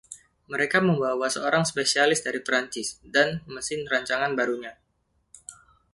Mereka membawa seorang spesialis dari Perancis dan mesin rancangan barunya.